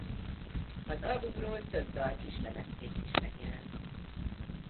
Az albumról több dal kislemezként is megjelent.